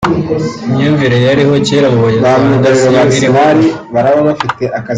Imyumvire yariho kera mu Banyarwanda siyo iriho ubu